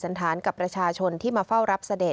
ทุนกรมอ่อมหญิงอุบลรัฐราชกัญญาสรีวัฒนาพันธวดี